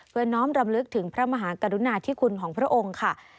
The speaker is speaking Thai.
น้อมรำลึกถึงพระมหากรุณาธิคุณของพระองค์ค่ะ